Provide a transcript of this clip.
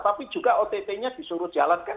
tapi juga ott nya disuruh jalankan